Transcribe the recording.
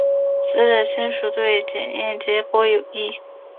死者亲属对检验结果有异。